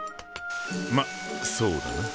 まそうだな。